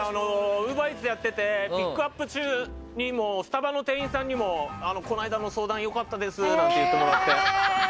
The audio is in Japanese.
ウーバーイーツやっててピックアップ中にもスタバの店員さんにもこの間の相談良かったですなんて言ってもらって。